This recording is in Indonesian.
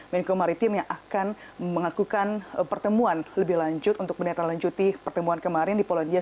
menko maritim yang akan mengakukan pertemuan lebih lanjut untuk menindaklanjuti pertemuan kemarin di polandia